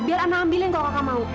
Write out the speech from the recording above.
biar anda ambilin kalau kakak mau